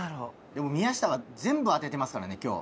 でも宮下は全部当ててますからね今日。